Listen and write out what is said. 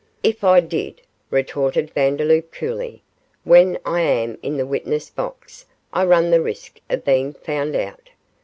'If I did,' retorted Vandeloup, coolly, 'when I am in the witness box I run the risk of being found out.